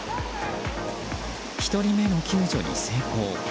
１人目の救助に成功。